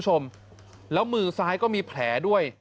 สวยสวยสวยสวยสวยสวยสวย